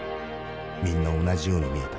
みんな同じように見えた。